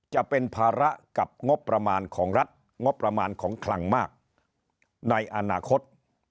จะเป็นภาระกับงบประมาณของรัฐงบประมาณของคลังมากในอนาคต